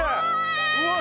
うわ！